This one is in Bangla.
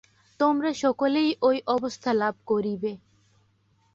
তোমরা সকলেই ঐ অবস্থা লাভ করিবে।